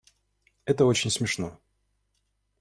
Это очень смешно.